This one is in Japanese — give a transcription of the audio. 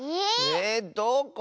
えどこ？